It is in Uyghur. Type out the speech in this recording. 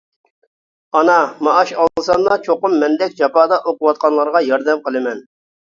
ئانا مائاش ئالساملا چوقۇم مەندەك جاپادا ئوقۇۋاتقانلارغا ياردەم قىلىمەن.